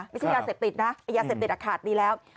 ไม่ใช่ยาเสพติดนะไอ้ยาเสพติดขาดดีแล้ว